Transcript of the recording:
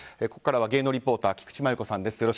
ここからは芸能リポーター菊池真由子さんです。